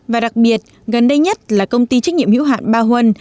và đặc biệt gần đây nhất là công ty trách nhiệm hữu hạn ba huân